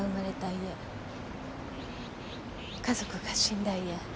家族が死んだ家。